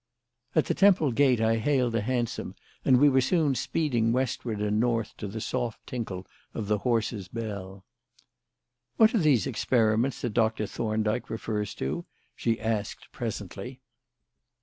At the Temple gate, I hailed a hansom and we were soon speeding westward and north to the soft tinkle of the horse's bell. "What are these experiments that Doctor Thorndyke refers to?" she asked presently.